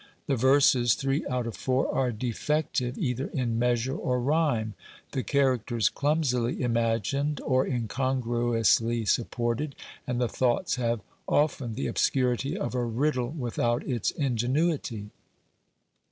The verses, three out of four, are defective either in measure or rhyme ; the characters, clumsily imagined or incongruously supported ; and the thoughts have often the obscurity of a riddle without its ingenuity.